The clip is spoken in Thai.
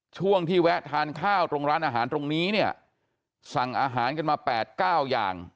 ช่วงที่แวะทานข้าวตรงร้านอาหารตรงนี้เนี่ยสั่งอาหารกันมา๘๙อย่าง